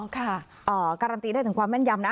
อ๋ออ๋อค่ะเอ่อการันตีได้ถึงความแม่นยำนะ